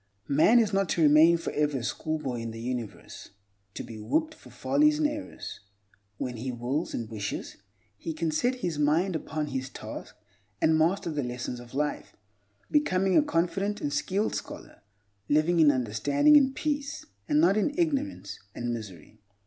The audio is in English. Man is not to remain forever a schoolboy in the universe, to be whipped for follies and errors. When he wills and wishes, he can set his mind upon his task and master the lessons of life, becoming a confident and skilled scholar, living in understanding and peace, and not in ignorance and misery.